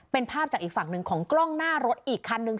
เป็นภาพจากอีกฝั่งหนึ่งของกล้องหน้ารถอีกคันนึง